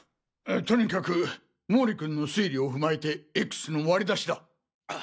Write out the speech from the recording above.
とにかく毛利君の推理を踏まえてＸの割り出しだっ！